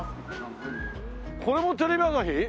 これもテレビ朝日？